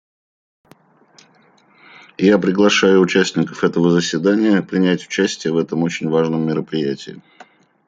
Я приглашаю участников этого заседания принять участие в этом очень важном мероприятии.